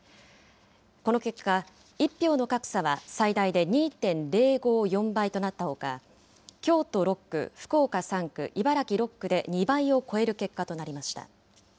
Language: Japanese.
この結果、１票の格差は最大で２．０５４倍となったほか、京都６区、福岡３区、茨城６区で２倍を超える結果となりました。